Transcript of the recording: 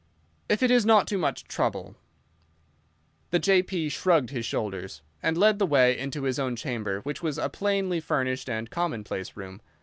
"If it is not too much trouble." The J.P. shrugged his shoulders, and led the way into his own chamber, which was a plainly furnished and commonplace room.